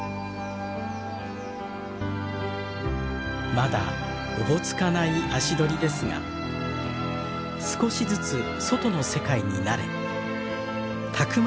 まだおぼつかない足取りですが少しずつ外の世界に慣れたくましく育ってゆくでしょう。